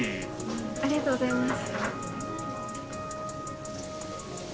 ありがとうございます。